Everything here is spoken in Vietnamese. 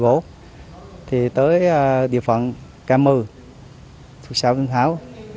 tổ công tác đã đi tới địa phận ca mưu thuộc xã vĩnh hảo